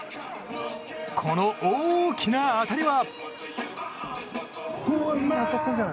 この大きな当たりは。